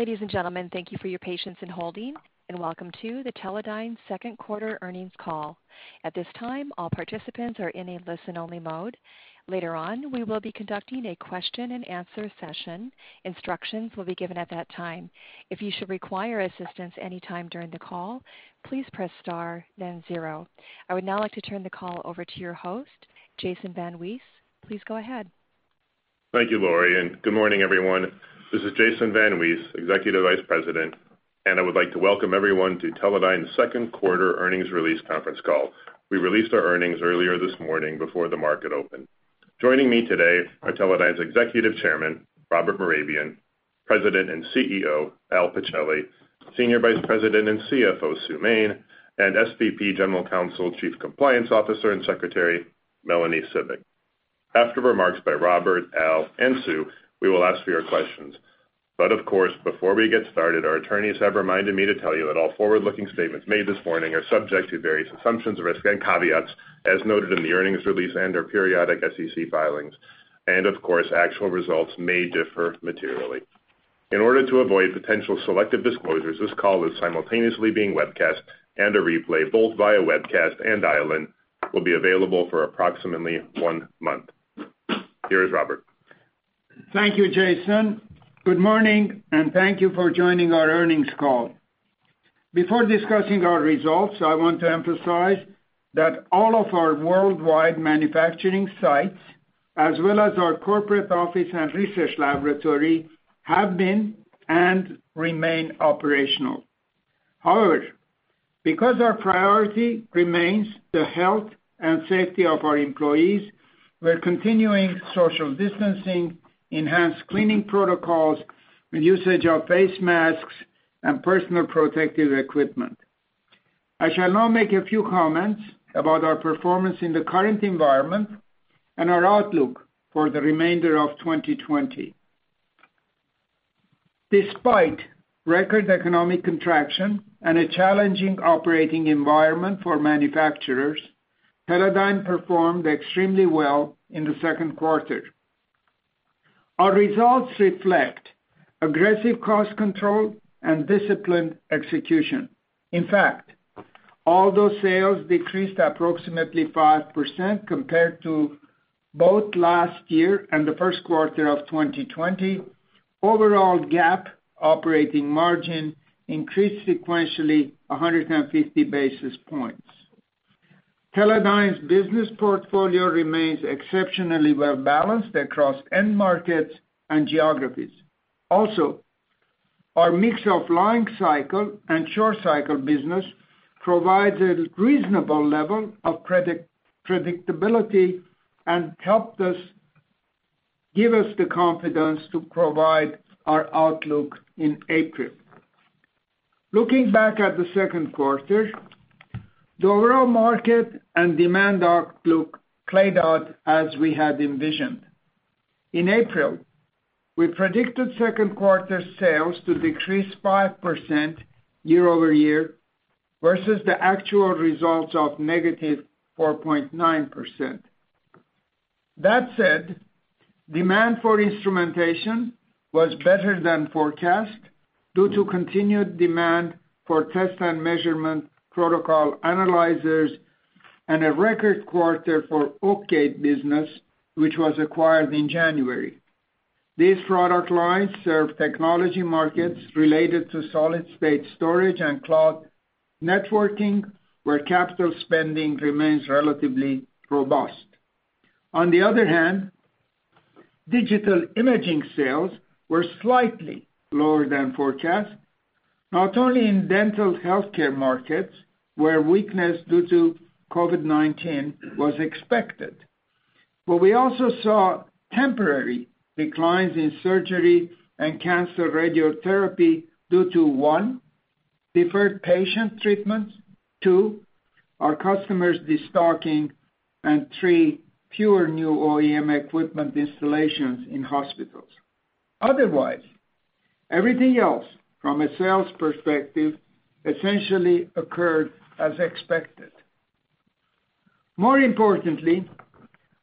Ladies and gentlemen, thank you for your patience in holding, and welcome to the Teledyne second quarter earnings call. At this time, all participants are in a listen-only mode. Later on, we will be conducting a question-and-answer session. Instructions will be given at that time. If you should require assistance any time during the call, please press star, then zero. I would now like to turn the call over to your host, Jason VanWees. Please go ahead. Thank you, Lori, and good morning, everyone. This is Jason VanWees, Executive Vice President, and I would like to welcome everyone to Teledyne second quarter earnings release conference Call. We released our earnings earlier this morning before the market opened. Joining me today are Teledyne's Executive Chairman, Robert Mehrabian, President and CEO, Al Pichelli, Senior Vice President and CFO, Sue Main, and SVP General Counsel, Chief Compliance Officer, and Secretary, Melanie Cibik. After remarks by Robert, Al, and Sue, we will ask for your questions. But of course, before we get started, our attorneys have reminded me to tell you that all forward-looking statements made this morning are subject to various assumptions, risks, and caveats, as noted in the earnings release and/or periodic SEC filings, and of course, actual results may differ materially. In order to avoid potential selective disclosures, this call is simultaneously being webcast, and a replay, both via webcast and dial-in, will be available for approximately one month. Here is Robert. Thank you, Jason. Good morning, and thank you for joining our earnings call. Before discussing our results, I want to emphasize that all of our worldwide manufacturing sites, as well as our corporate office and research laboratory, have been and remain operational. However, because our priority remains the health and safety of our employees, we're continuing social distancing, enhanced cleaning protocols, and usage of face masks and personal protective equipment. I shall now make a few comments about our performance in the current environment and our outlook for the remainder of 2020. Despite record economic contraction and a challenging operating environment for manufacturers, Teledyne performed extremely well in the second quarter. Our results reflect aggressive cost control and disciplined execution. In fact, although sales decreased approximately 5% compared to both last year and the first quarter of 2020, the overall GAAP operating margin increased sequentially 150 basis points. Teledyne's business portfolio remains exceptionally well-balanced across end markets and geographies. Also, our mix of long cycle and short cycle business provides a reasonable level of predictability and helped us give us the confidence to provide our outlook in April. Looking back at the second quarter, the overall market and demand outlook played out as we had envisioned. In April, we predicted second quarter sales to decrease 5% year-over-year versus the actual results of -4.9%. That said, demand for Instrumentation was better than forecast due to continued demand for test and measurement protocol analyzers and a record quarter for OakGate business, which was acquired in January. These product lines serve technology markets related to solid-state storage and cloud networking, where capital spending remains relatively robust. On the other hand, Digital Imaging sales were slightly lower than forecast, not only in dental healthcare markets, where weakness due to COVID-19 was expected, but we also saw temporary declines in surgery and cancer radiotherapy due to one, deferred patient treatment, two, our customers destocking, and three, fewer new OEM equipment installations in hospitals. Otherwise, everything else from a sales perspective essentially occurred as expected. More importantly,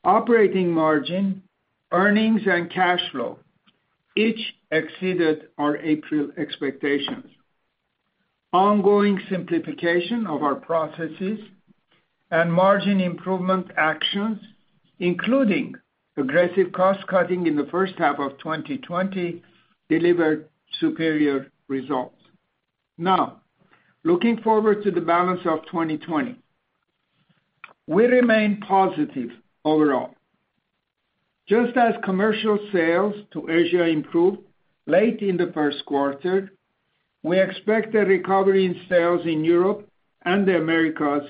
operating margin, earnings, and cash flow each exceeded our April expectations. Ongoing simplification of our processes and margin improvement actions, including aggressive cost cutting in the first half of 2020, delivered superior results. Now, looking forward to the balance of 2020, we remain positive overall. Just as commercial sales to Asia improved late in the first quarter, we expect a recovery in sales in Europe and the Americas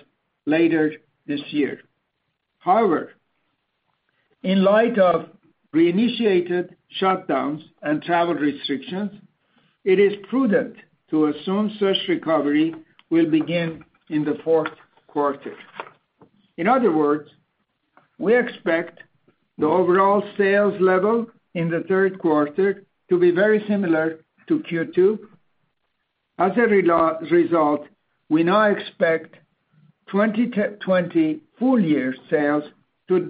later this year. However, in light of reinitiated shutdowns and travel restrictions, it is prudent to assume such recovery will begin in the fourth quarter. In other words, we expect the overall sales level in the third quarter to be very similar to Q2. As a result, we now expect 2020 full year sales to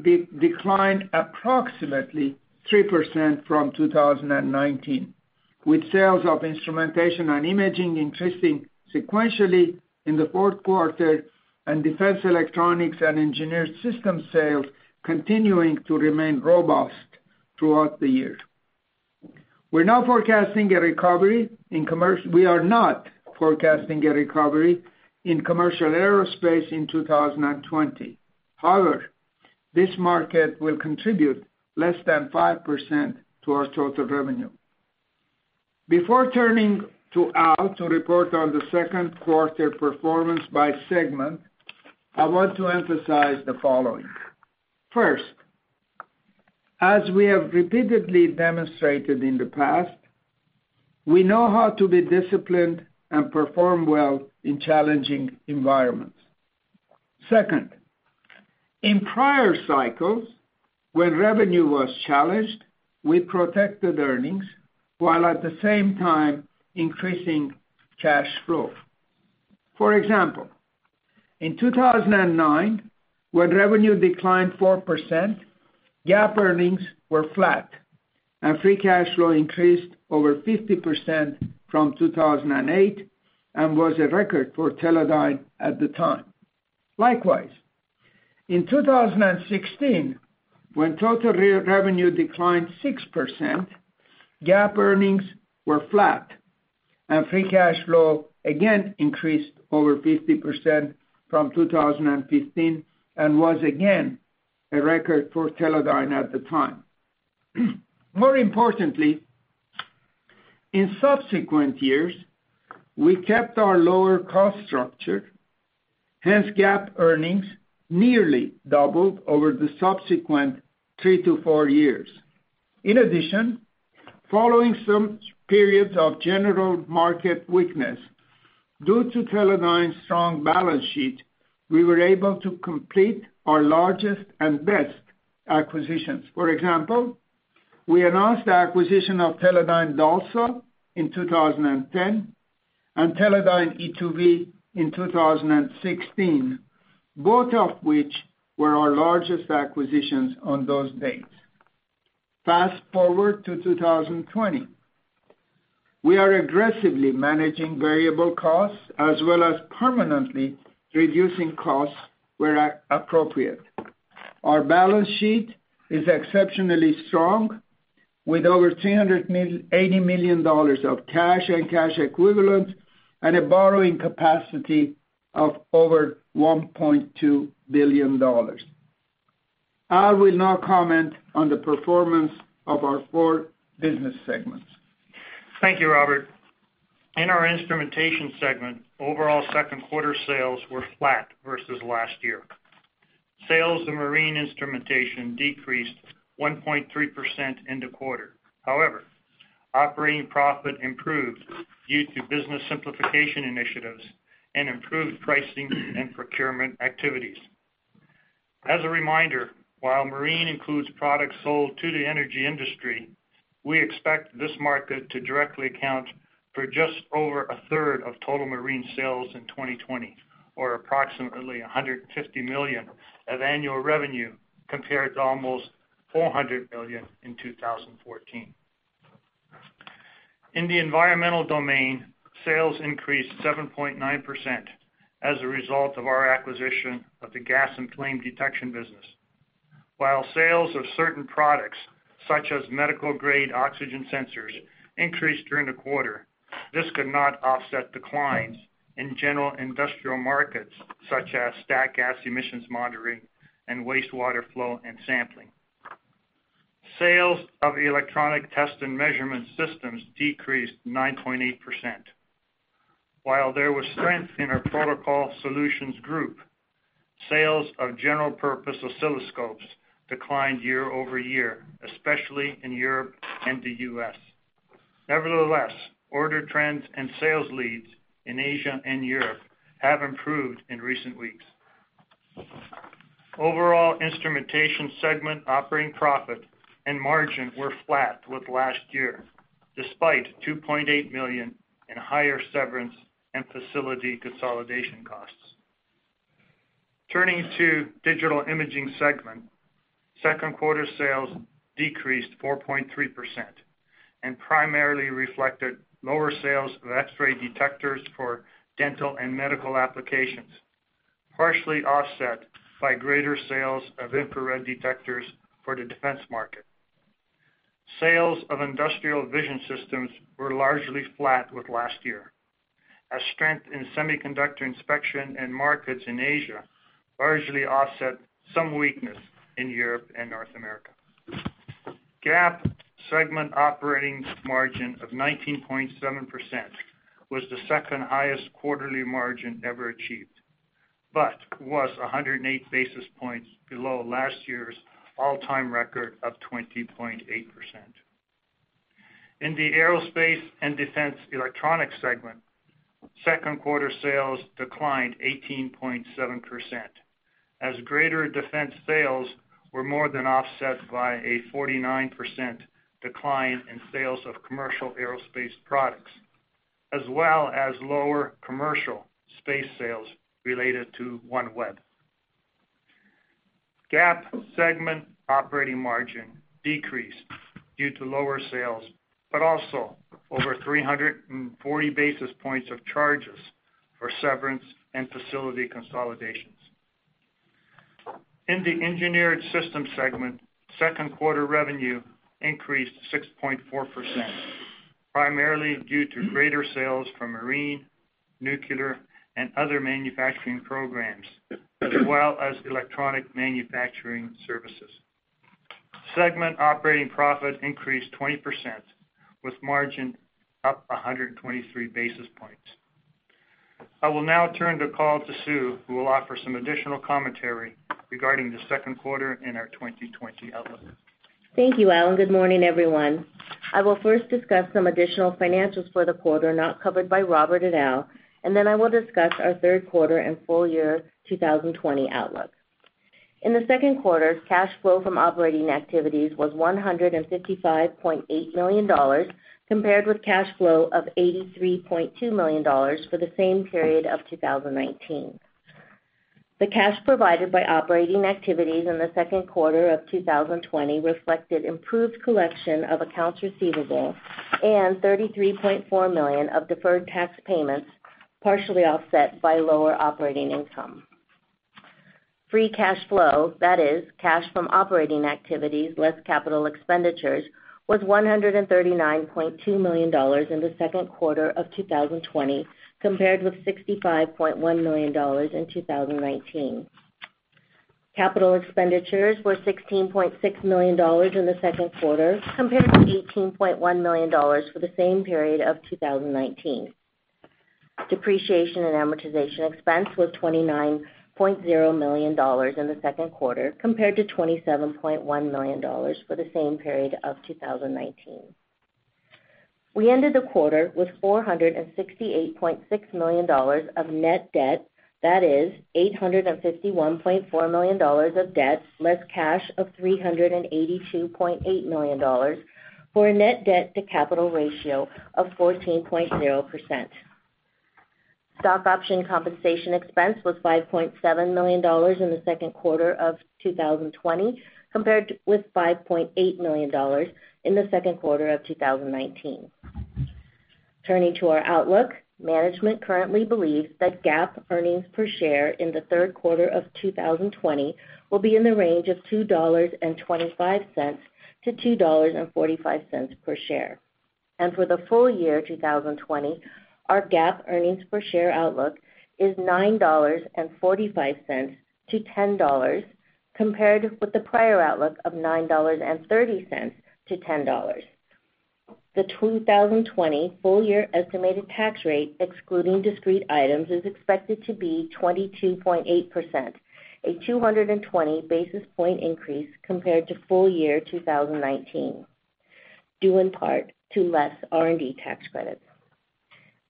decline approximately 3% from 2019, with sales of Instrumentation and imaging increasing sequentially in the fourth quarter and defense electronics and Engineered Systems sales continuing to remain robust throughout the year. We're not forecasting a recovery in commercial. We are not forecasting a recovery in commercial aerospace in 2020. However, this market will contribute less than 5% to our total revenue. Before turning to Al to report on the second quarter performance by segment, I want to emphasize the following. First, as we have repeatedly demonstrated in the past, we know how to be disciplined and perform well in challenging environments. Second, in prior cycles, when revenue was challenged, we protected earnings while at the same time increasing cash flow. For example, in 2009, when revenue declined 4%, GAAP earnings were flat, and free cash flow increased over 50% from 2008 and was a record for Teledyne at the time. Likewise, in 2016, when total revenue declined 6%, GAAP earnings were flat, and free cash flow again increased over 50% from 2015 and was again a record for Teledyne at the time. More importantly, in subsequent years, we kept our lower cost structure, hence, GAAP earnings nearly doubled over the subsequent three to four years. In addition, following some periods of general market weakness, due to Teledyne's strong balance sheet, we were able to complete our largest and best acquisitions. For example, we announced the acquisition of Teledyne DALSA in 2010 and Teledyne e2v in 2016, both of which were our largest acquisitions on those dates. Fast forward to 2020, we are aggressively managing variable costs as well as permanently reducing costs where appropriate. Our balance sheet is exceptionally strong, with over $380 million of cash and cash equivalents and a borrowing capacity of over $1.2 billion. Al will now comment on the performance of our four business segments. Thank you, Robert. In our Instrumentation segment, overall second quarter sales were flat versus last year. Sales of marine Instrumentation decreased 1.3% in the quarter. However, operating profit improved due to business simplification initiatives and improved pricing and procurement activities. As a reminder, while marine includes products sold to the energy industry, we expect this market to directly account for just over a third of total marine sales in 2020, or approximately $150 million of annual revenue compared to almost $400 million in 2014. In the environmental domain, sales increased 7.9% as a result of our acquisition of the gas and flame detection business. While sales of certain products, such as medical-grade oxygen sensors, increased during the quarter, this could not offset declines in general industrial markets, such as stack gas emissions monitoring and wastewater flow and sampling. Sales of electronic test and measurement systems decreased 9.8%. While there was strength in our Protocol Solutions Group, sales of general-purpose oscilloscopes declined year-over-year, especially in Europe and the U.S. Nevertheless, order trends and sales leads in Asia and Europe have improved in recent weeks. Overall Instrumentation segment operating profit and margin were flat with last year, despite $2.8 million in higher severance and facility consolidation costs. Turning to Digital Imaging segment, second quarter sales decreased 4.3% and primarily reflected lower sales of X-ray detectors for dental and medical applications, partially offset by greater sales of infrared detectors for the defense market. Sales of industrial vision systems were largely flat with last year, as strength in semiconductor inspection and markets in Asia largely offset some weakness in Europe and North America. Digital Imaging segment operating margin of 19.7% was the second highest quarterly margin ever achieved, but was 108 basis points below last year's all-time record of 20.8%. In the Aerospace and Defense Electronics segment, second quarter sales declined 18.7%, as greater defense sales were more than offset by a 49% decline in sales of commercial aerospace products, as well as lower commercial space sales related to OneWeb. That segment operating margin decreased due to lower sales, but also over 340 basis points of charges for severance and facility consolidations. In the Engineered Systems segment, second quarter revenue increased 6.4%, primarily due to greater sales from marine, nuclear, and other manufacturing programs, as well as electronic manufacturing services. Segment operating profit increased 20%, with margin up 123 basis points. I will now turn the call to Sue, who will offer some additional commentary regarding the second quarter and our 2020 outlook. Thank you, Al. Good morning, everyone. I will first discuss some additional financials for the quarter not covered by Robert and Al, and then I will discuss our third quarter and full year 2020 outlook. In the second quarter, cash flow from operating activities was $155.8 million compared with cash flow of $83.2 million for the same period of 2019. The cash provided by operating activities in the second quarter of 2020 reflected improved collection of accounts receivable and $33.4 million of deferred tax payments, partially offset by lower operating income. Free cash flow, that is, cash from operating activities less capital expenditures, was $139.2 million in the second quarter of 2020 compared with $65.1 million in 2019. Capital expenditures were $16.6 million in the second quarter compared to $18.1 million for the same period of 2019. Depreciation and amortization expense was $29.0 million in the second quarter compared to $27.1 million for the same period of 2019. We ended the quarter with $468.6 million of net debt, that is, $851.4 million of debt less cash of $382.8 million for a net debt-to-capital ratio of 14.0%. Stock option compensation expense was $5.7 million in the second quarter of 2020 compared with $5.8 million in the second quarter of 2019. Turning to our outlook, management currently believes that GAAP earnings per share in the third quarter of 2020 will be in the range of $2.25-$2.45 per share, and for the full year 2020, our GAAP earnings per share outlook is $9.45-$10 compared with the prior outlook of $9.30-$10. The 2020 full year estimated tax rate, excluding discrete items, is expected to be 22.8%, a 220 basis point increase compared to full year 2019, due in part to less R&D tax credits.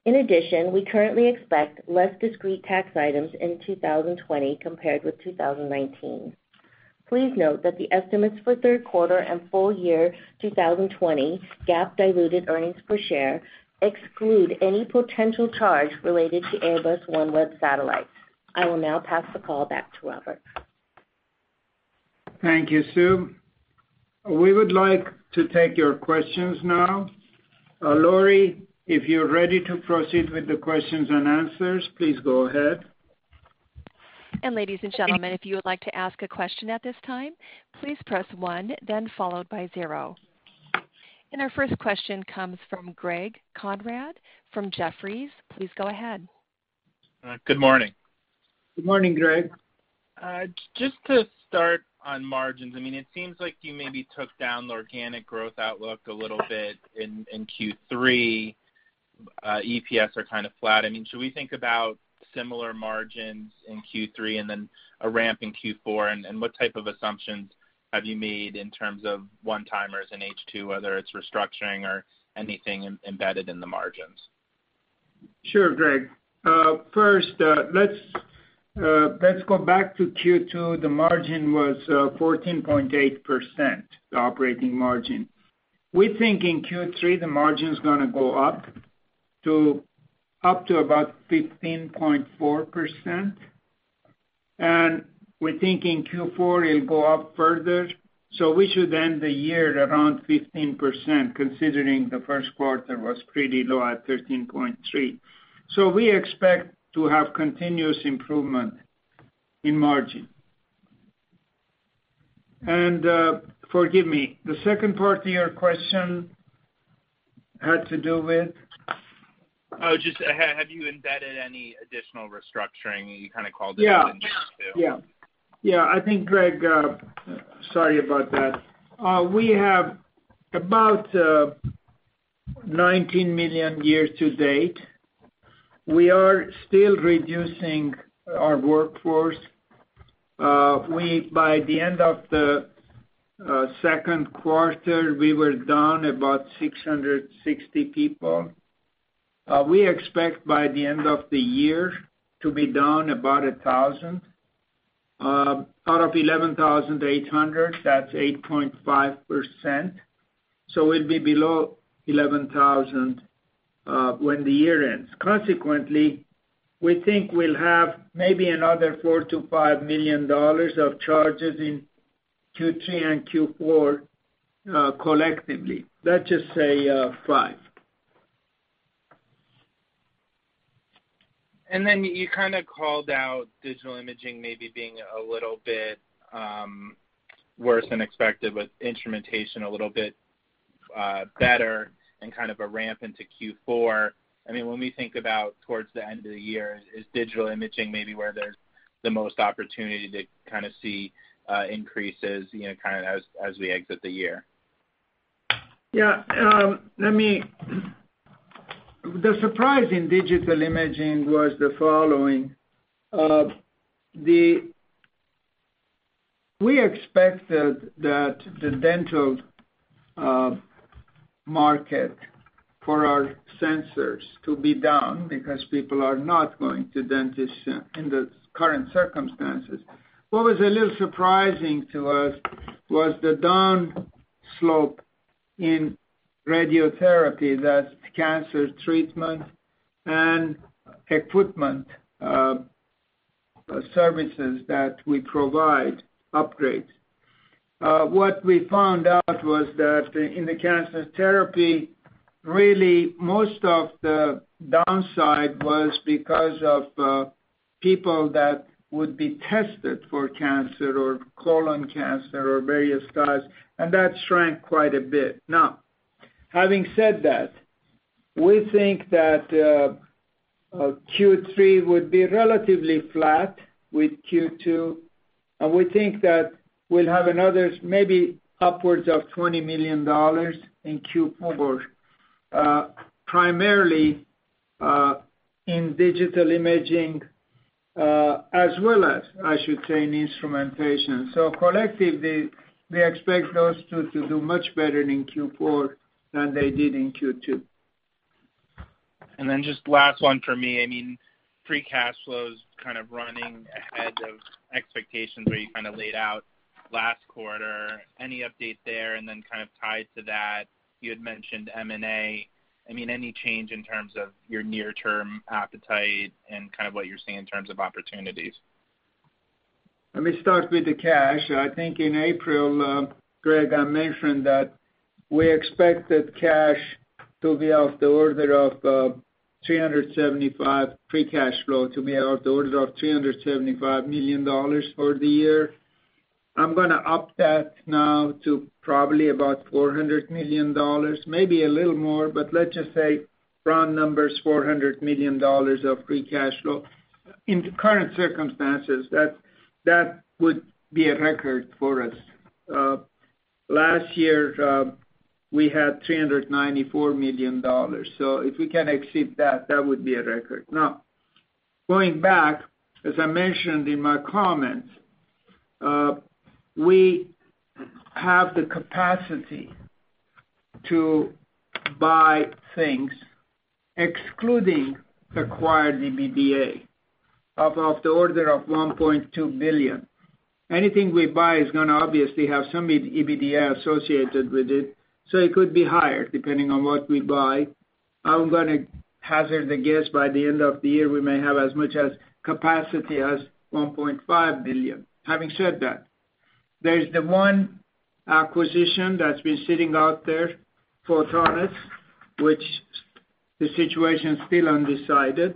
In addition, we currently expect less discrete tax items in 2020 compared with 2019. Please note that the estimates for third quarter and full year 2020 GAAP diluted earnings per share exclude any potential charge related to Airbus OneWeb satellites. I will now pass the call back to Robert. Thank you, Sue. We would like to take your questions now. Lori, if you're ready to proceed with the questions and answers, please go ahead. Ladies and gentlemen, if you would like to ask a question at this time, please press one, then followed by zero. Our first question comes from Greg Konrad from Jefferies. Please go ahead. Good morning. Good morning, Greg. Just to start on margins, I mean, it seems like you maybe took down the organic growth outlook a little bit in Q3. EPS are kind of flat. I mean, should we think about similar margins in Q3 and then a ramp in Q4? And what type of assumptions have you made in terms of one-timers in H2, whether it's restructuring or anything embedded in the margins? Sure, Greg. First, let's go back to Q2. The margin was 14.8%, the operating margin. We think in Q3 the margin's going to go up to about 15.4%. And we think in Q4 it'll go up further. So we should end the year at around 15%, considering the first quarter was pretty low at 13.3%. So we expect to have continuous improvement in margin. And forgive me, the second part of your question had to do with? Oh, just have you embedded any additional restructuring? You kind of called it in. Yeah. Yeah. Yeah. I think, Greg, sorry about that. We have about 19 million years to date. We are still reducing our workforce. By the end of the second quarter, we were down about 660 people. We expect by the end of the year to be down about 1,000. Out of 11,800, that's 8.5%. So we'll be below 11,000 when the year ends. Consequently, we think we'll have maybe another $4 million-$5 million of charges in Q3 and Q4 collectively. Let's just say five. And then you kind of called out Digital Imaging maybe being a little bit worse than expected, but Instrumentation a little bit better and kind of a ramp into Q4. I mean, when we think about towards the end of the year, is Digital Imaging maybe where there's the most opportunity to kind of see increases kind of as we exit the year? Yeah. The surprise in Digital Imaging was the following. We expected that the dental market for our sensors to be down because people are not going to dentists in the current circumstances. What was a little surprising to us was the downslope in radiotherapy, that's cancer treatment and equipment services that we provide, upgrades. What we found out was that in the cancer therapy, really, most of the downside was because of people that would be tested for cancer or colon cancer or various diets, and that shrank quite a bit. Now, having said that, we think that Q3 would be relatively flat with Q2. And we think that we'll have another maybe upwards of $20 million in Q4, primarily in Digital Imaging as well as, I should say, in Instrumentation. So collectively, we expect those two to do much better in Q4 than they did in Q2. And then just last one for me. I mean, free cash flows kind of running ahead of expectations where you kind of laid out last quarter. Any update there? And then kind of tied to that, you had mentioned M&A. I mean, any change in terms of your near-term appetite and kind of what you're seeing in terms of opportunities? Let me start with the cash. I think in April, Greg, I mentioned that we expected cash to be of the order of $375 million, free cash flow to be of the order of $375 million for the year. I'm going to up that now to probably about $400 million, maybe a little more, but let's just say round numbers, $400 million of free cash flow. In current circumstances, that would be a record for us. Last year, we had $394 million. So if we can exceed that, that would be a record. Now, going back, as I mentioned in my comments, we have the capacity to buy things, excluding acquired EBITDA, of the order of $1.2 billion. Anything we buy is going to obviously have some EBITDA associated with it. So it could be higher depending on what we buy. I'm going to hazard a guess by the end of the year, we may have as much capacity as $1.5 billion. Having said that, there's the one acquisition that's been sitting out there for Photonis, which the situation's still undecided.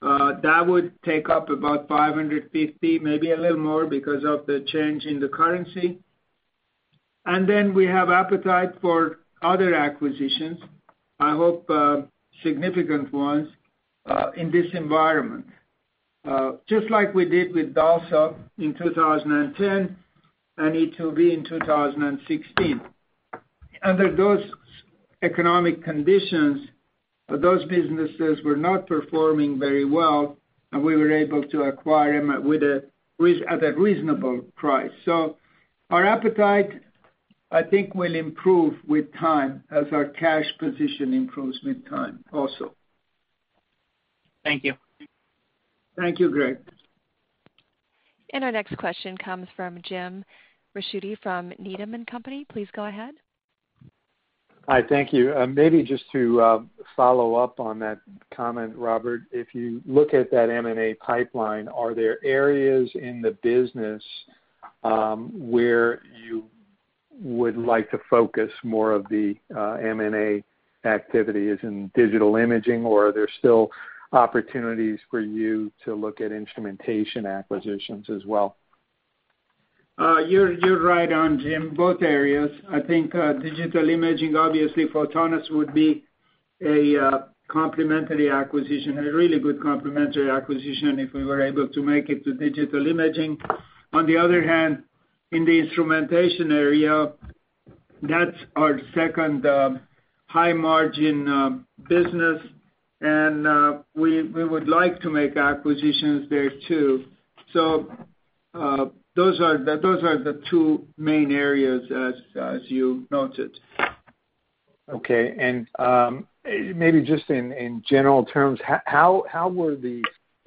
That would take up about $550 million, maybe a little more because of the change in the currency. And then we have appetite for other acquisitions, I hope significant ones, in this environment, just like we did with DALSA in 2010 and E2V in 2016. Under those economic conditions, those businesses were not performing very well, and we were able to acquire them at a reasonable price. So our appetite, I think, will improve with time as our cash position improves with time also. Thank you. Thank you, Greg. Our next question comes from Jim Ricchiuti from Needham & Company. Please go ahead. Hi. Thank you. Maybe just to follow up on that comment, Robert, if you look at that M&A pipeline, are there areas in the business where you would like to focus more of the M&A activity as in Digital Imaging, or are there still opportunities for you to look at Instrumentation acquisitions as well? You're right on, Jim. Both areas. I think Digital Imaging, obviously, for Photonis would be a complementary acquisition, a really good complementary acquisition if we were able to make it to Digital Imaging. On the other hand, in the Instrumentation area, that's our second high-margin business, and we would like to make acquisitions there too. So those are the two main areas, as you noted. Okay. And maybe just in general terms, how were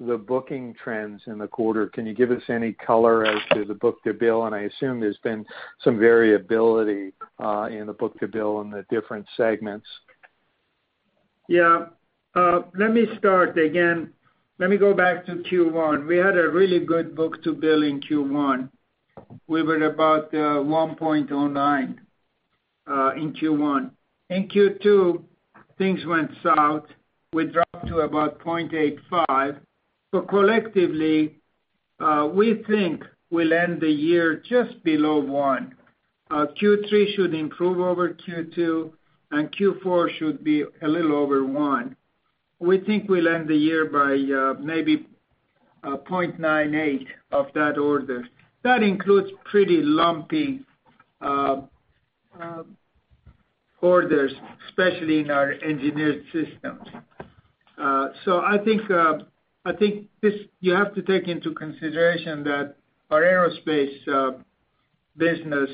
the booking trends in the quarter? Can you give us any color as to the book-to-bill? And I assume there's been some variability in the book-to-bill in the different segments. Yeah. Let me start again. Let me go back to Q1. We had a really good book-to-bill in Q1. We were about 1.09 in Q1. In Q2, things went south. We dropped to about 0.85, but collectively, we think we'll end the year just below one. Q3 should improve over Q2, and Q4 should be a little over one. We think we'll end the year by maybe 0.98 of that order. That includes pretty lumpy orders, especially in our Engineered Systems, so I think you have to take into consideration that our aerospace business,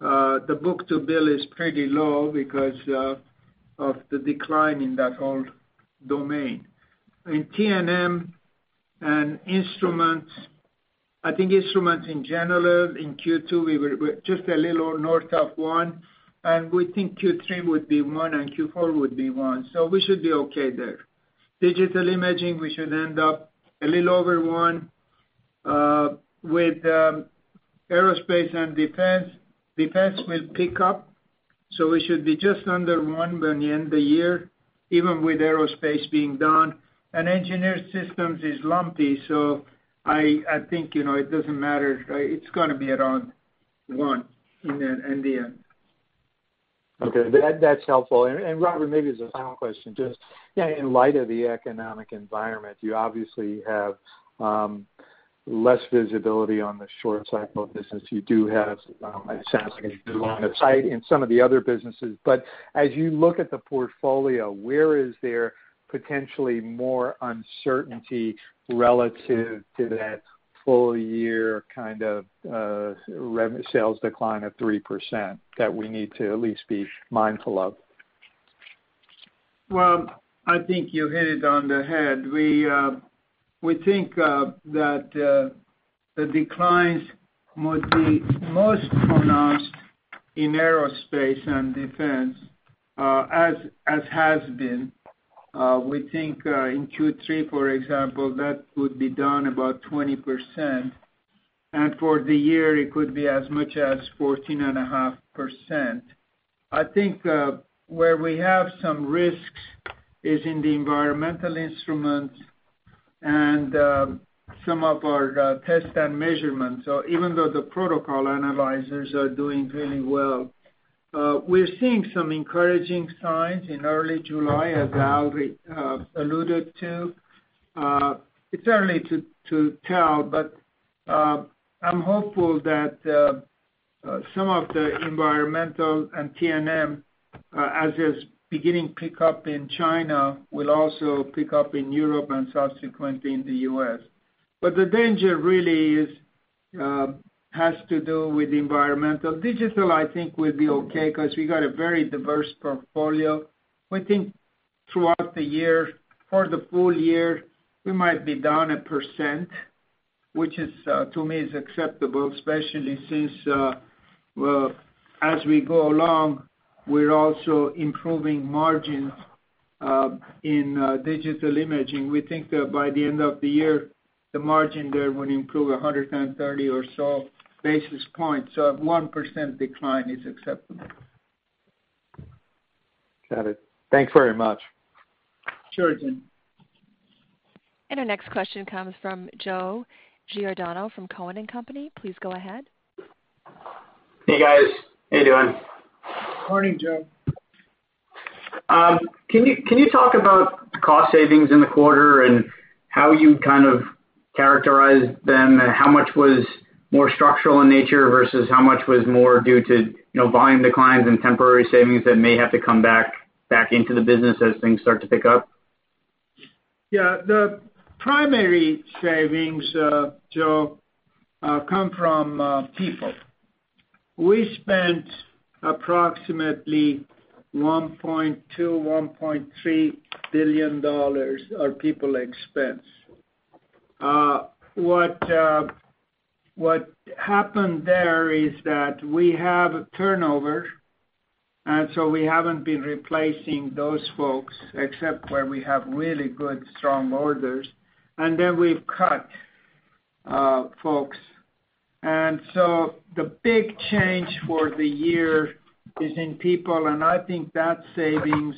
the book-to-bill is pretty low because of the decline in that whole domain. In T&M and instruments, I think instruments in general, in Q2, we were just a little north of one, and we think Q3 would be one and Q4 would be one, so we should be okay there. Digital Imaging, we should end up a little over one. With aerospace and defense, defense will pick up. So we should be just under one by the end of the year, even with aerospace being down. And Engineered Systems is lumpy. So I think it doesn't matter. It's going to be around one in the end. Okay. That's helpful. And Robert, maybe as a final question, just in light of the economic environment, you obviously have less visibility on the short cycle of business. You do have, it sounds like, a good line of sight in some of the other businesses. But as you look at the portfolio, where is there potentially more uncertainty relative to that full year kind of sales decline of 3% that we need to at least be mindful of? I think you hit it on the head. We think that the declines would be most pronounced in aerospace and defense, as has been. We think in Q3, for example, that would be down about 20%. For the year, it could be as much as 14.5%. I think where we have some risks is in the environmental instruments and some of our tests and measurements. Even though the protocol analyzers are doing really well, we're seeing some encouraging signs in early July, as Al alluded to. It's early to tell, but I'm hopeful that some of the environmental and T&M, as is beginning pickup in China, will also pick up in Europe and subsequently in the U.S. But the danger really has to do with environmental. Digital, I think, will be okay because we got a very diverse portfolio. We think throughout the year, for the full year, we might be down 1%, which to me is acceptable, especially since, well, as we go along, we're also improving margins in Digital Imaging. We think that by the end of the year, the margin there will improve 130 or so basis points, so a 1% decline is acceptable. Got it. Thanks very much. Sure, Jim. And our next question comes from Joe Giordano from Cowen and Company. Please go ahead. Hey, guys. How you doing? Morning, Joe. Can you talk about cost savings in the quarter and how you kind of characterized them? How much was more structural in nature versus how much was more due to volume declines and temporary savings that may have to come back into the business as things start to pick up? Yeah. The primary savings, Joe, come from people. We spent approximately $1.2 billion-$1.3 billion of people expense. What happened there is that we have turnover, and so we haven't been replacing those folks except where we have really good, strong orders. And then we've cut folks. And so the big change for the year is in people. And I think that savings,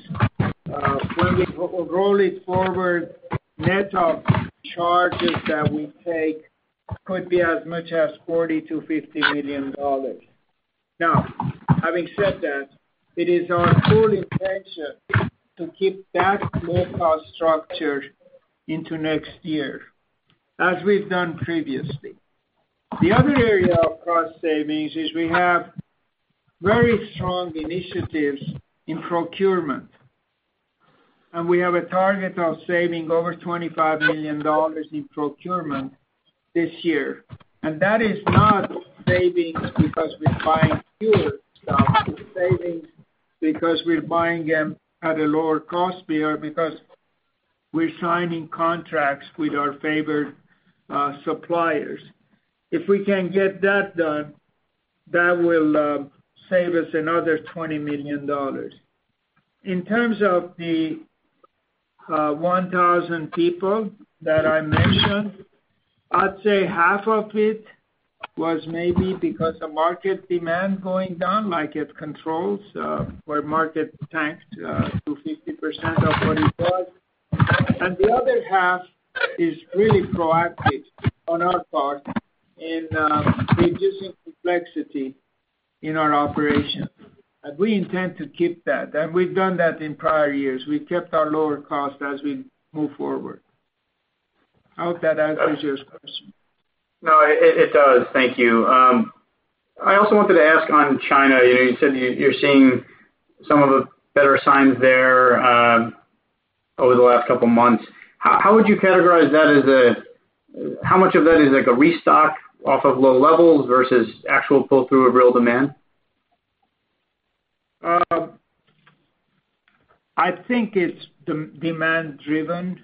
when we roll it forward, net of charges that we take, could be as much as $40 million-$50 million. Now, having said that, it is our full intention to keep that low-cost structure into next year, as we've done previously. The other area of cost savings is we have very strong initiatives in procurement. And we have a target of saving over $25 million in procurement this year. And that is not savings because we're buying fewer stuff. It's savings because we're buying them at a lower cost, because we're signing contracts with our favored suppliers. If we can get that done, that will save us another $20 million. In terms of the 1,000 people that I mentioned, I'd say half of it was maybe because of market demand going down, like at Controls, where market tanked to 50% of what it was. And the other half is really proactive on our part in reducing complexity in our operation. And we intend to keep that. And we've done that in prior years. We kept our lower cost as we move forward. I hope that answers your question. No, it does. Thank you. I also wanted to ask on China. You said you're seeing some of the better signs there over the last couple of months. How would you categorize that as how much of that is a restock off of low levels versus actual pull-through of real demand? I think it's demand-driven.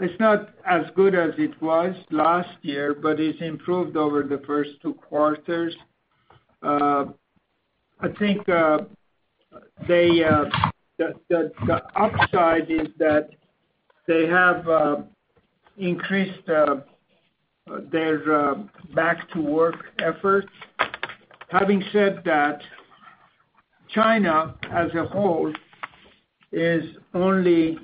It's not as good as it was last year, but it's improved over the first two quarters. I think the upside is that they have increased their back-to-work efforts. Having said that, China as a whole is only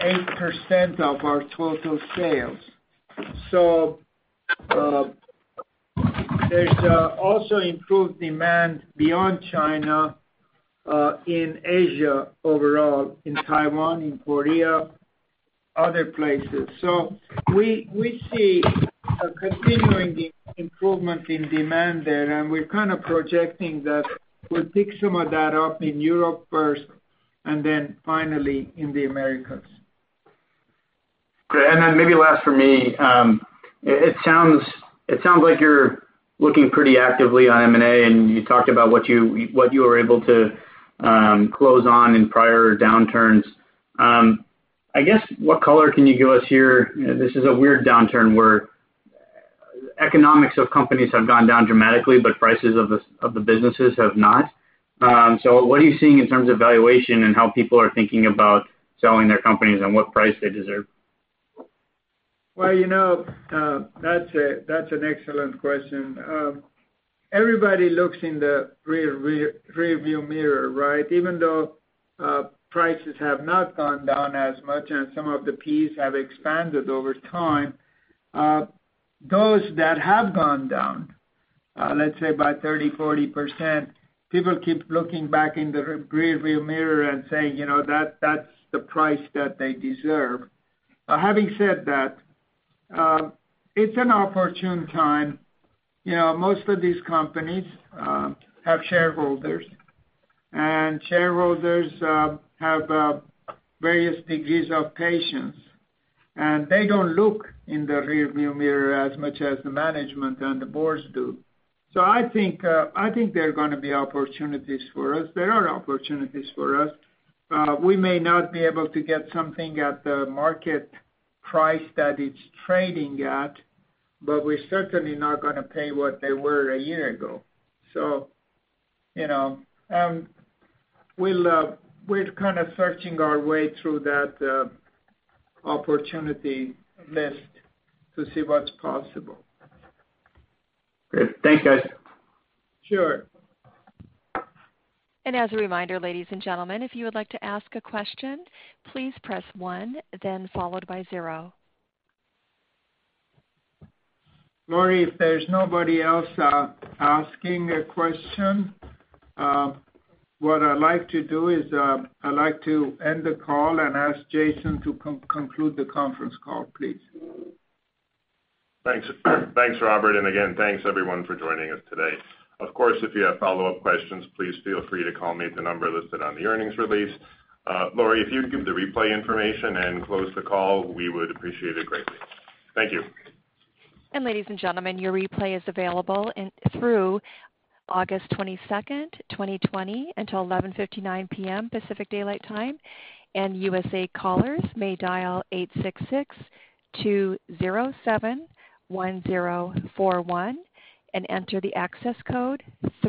8% of our total sales. So there's also improved demand beyond China in Asia overall, in Taiwan, in Korea, other places. So we see a continuing improvement in demand there, and we're kind of projecting that we'll pick some of that up in Europe first and then finally in the Americas. Okay. And then maybe last for me, it sounds like you're looking pretty actively on M&A, and you talked about what you were able to close on in prior downturns. I guess what color can you give us here? This is a weird downturn where the economics of companies have gone down dramatically, but prices of the businesses have not. So what are you seeing in terms of valuation and how people are thinking about selling their companies and what price they deserve? Well, that's an excellent question. Everybody looks in the rearview mirror, right? Even though prices have not gone down as much and some of the P/Es have expanded over time, those that have gone down, let's say by 30%-40%, people keep looking back in the rearview mirror and saying, "That's the price that they deserve." Having said that, it's an opportune time. Most of these companies have shareholders, and shareholders have various degrees of patience. And they don't look in the rearview mirror as much as the management and the boards do. So I think there are going to be opportunities for us. There are opportunities for us. We may not be able to get something at the market price that it's trading at, but we're certainly not going to pay what they were a year ago. So we're kind of searching our way through that opportunity list to see what's possible. Good. Thanks, guys. Sure. As a reminder, ladies and gentlemen, if you would like to ask a question, please press one, then followed by zero. Lori, if there's nobody else asking a question, what I'd like to do is I'd like to end the call and ask Jason to conclude the conference call, please. Thanks. Thanks, Robert. And again, thanks everyone for joining us today. Of course, if you have follow-up questions, please feel free to call me at the number listed on the earnings release. Lori, if you could give the replay information and close the call, we would appreciate it greatly. Thank you. Ladies and gentlemen, your replay is available through August 22nd, 2020, until 11:59 P.M. Pacific Daylight Time. U.S.A. callers may dial 866-207-1041 and enter the access code.